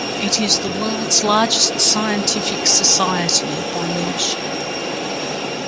It is the world's largest scientific society by membership.